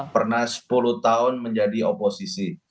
pernah sepuluh tahun menjadi oposisi